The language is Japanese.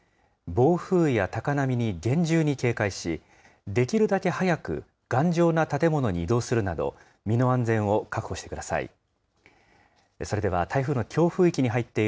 暴風や高波に厳重に警戒し、できるだけ早く頑丈な建物に移動するなど、身の安全を確保してください。